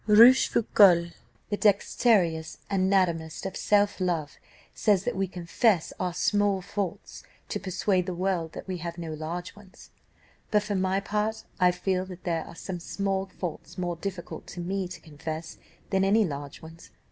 Rochefoucault, the dexterous anatomist of self love, says that we confess our small faults, to persuade the world that we have no large ones. But, for my part, I feel that there are some small faults more difficult to me to confess than any large ones.